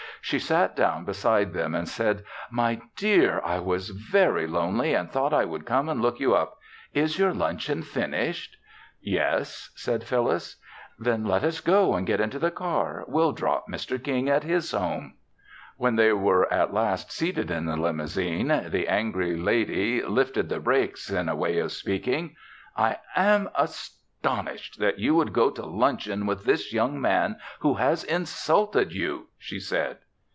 She sat down beside them and said, "My dear, I was very lonely and thought I would come and look you up. Is your luncheon finished?" "Yes," said Phyllis. "Then let us go and get into the car. We'll drop Mr. King at his home." When at last they were seated in the limousine, the angry lady lifted the brakes in a way of speaking. "I am astonished that you would go to luncheon with this young man who has insulted you," she said.